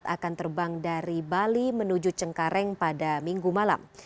akan terbang dari bali menuju cengkareng pada minggu malam